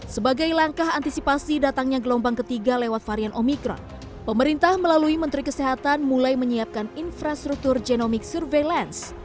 sebagai langkah antisipasi datangnya gelombang ketiga lewat varian omikron pemerintah melalui menteri kesehatan mulai menyiapkan infrastruktur genomic surveillance